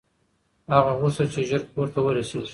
هغه غوښتل چې ژر کور ته ورسېږي.